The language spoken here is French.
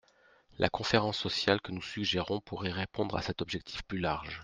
La conférence sociale que nous suggérons pourrait répondre à cet objectif plus large.